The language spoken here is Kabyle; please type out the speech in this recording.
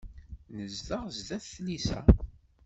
Nezdeɣ sdat tlisa.